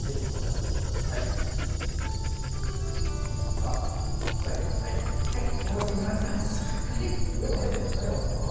よく晴れていましたね大阪は。